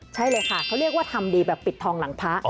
ใช่เลยค่ะเขาเรียกว่าทำดีแบบปิดทองหลังพระ